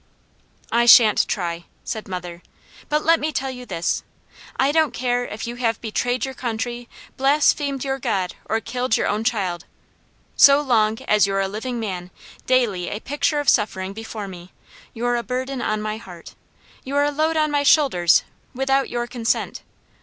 "I shan't try!" said mother. "But let me tell you this: I don't care if you have betrayed your country, blasphemed your God, or killed your own child! So long, as you're a living man, daily a picture of suffering before me, you're a burden on my heart. You're a load on my shoulders, without your consent.